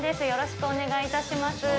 よろしくお願いします。